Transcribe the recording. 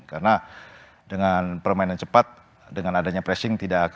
karena dengan permainan cepat dengan adanya pressing tidak mungkir